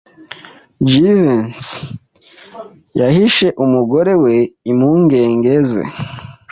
Jivency yahishe umugore we impungenge ze.